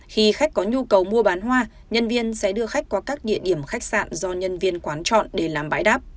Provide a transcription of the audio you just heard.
khi khách có nhu cầu mua bán hoa nhân viên sẽ đưa khách qua các địa điểm khách sạn do nhân viên quán chọn để làm bãi đáp